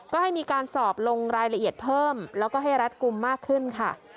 ก็ให้มีการสอบลงรายละเอียดเพิ่มแล้วก็ให้รัดกลุ่มมากขึ้นค่ะ